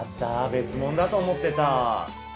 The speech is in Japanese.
別もんだと思ってた。